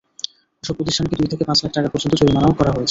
এসব প্রতিষ্ঠানকে দুই থেকে পাঁচ লাখ টাকা পর্যন্ত জরিমানাও করা হয়েছে।